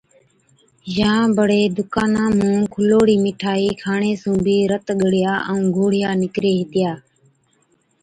يان بڙي دُڪانا مُون کُلوڙِِ مٺائِي کاڻي سُون بِي رت ڳڙِيا ائُون گوڙهِيا نِڪري هِتِيا۔